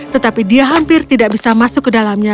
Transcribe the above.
tetapi dia hampir tidak bisa masuk ke dalamnya